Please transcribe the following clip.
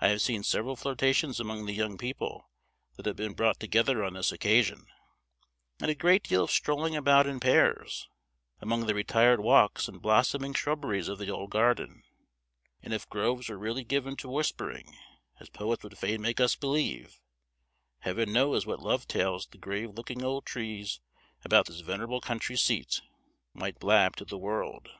I have seen several flirtations among the young people that have been brought together on this occasion; and a great deal of strolling about in pairs, among the retired walks and blossoming shrubberies of the old garden; and if groves were really given to whispering, as poets would fain make us believe, Heaven knows what love tales the grave looking old trees about this venerable country seat might blab to the world.